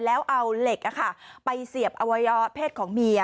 แล้วเอาเหล็กไปเสียบอวัยวะเพศของเมีย